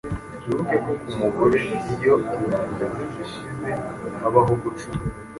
Twibuke ko ku mugore iyo intanga ze zishize habaho gucura